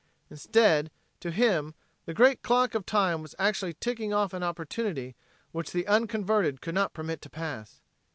Instead, to him, the great clock of time was actually ticking off an opportunity which the unconverted could not permit to pass.